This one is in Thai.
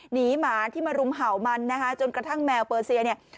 หมาที่มารุมเห่ามันนะคะจนกระทั่งแมวเปอร์เซียเนี่ย